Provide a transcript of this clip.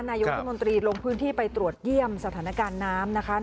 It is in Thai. นายกรัฐมนตรีลงพื้นที่ไปตรวจเยี่ยมสถานการณ์น้ำนะคะ